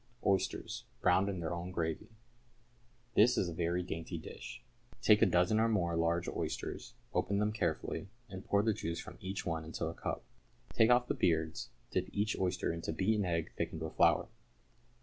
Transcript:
=Oysters, Browned in their own gravy.= This is a very dainty dish. Take a dozen or more large oysters, open them carefully, and pour the juice from each one into a cup. Take off the beards, dip each oyster into beaten egg thickened with flour.